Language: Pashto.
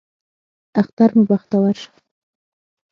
اختر مو بختور شه